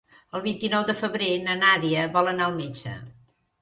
El vint-i-nou de febrer na Nàdia vol anar al metge.